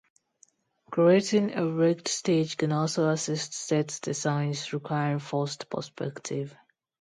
Creating a raked stage can also assist set designs requiring forced perspective.